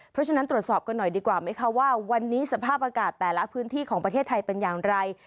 เพราะฉะนั้นตรวจสอบกันหน่อยดีกว่าไหมคะว่าวันนี้สภาพอากาศแต่ละพื้นที่ของประเทศไทยเป็นอย่างไร